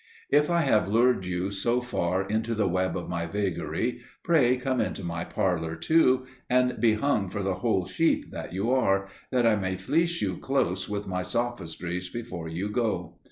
If I have lured you so far into the web of my vagary, pray come into my parlour, too, and be hung for the whole sheep that you are, that I may fleece you close with my sophistries before you go.